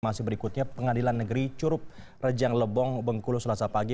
masih berikutnya pengadilan negeri curup rejang lebong bengkulu selasa pagi